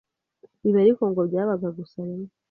Ibi ariko ngo byabaga gusa rimwe